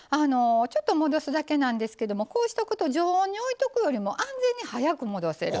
ちょっと戻すだけなんですけどもこうしとくと常温に置いとくよりも安全に早く戻せる。